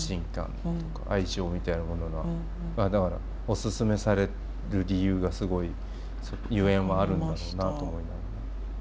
だからおすすめされる理由がすごいゆえんはあるんだろうなと。